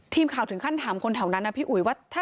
ทีมข่าวถึงขั้นถามคนแถวนั้นนะพี่อุ๋ยว่า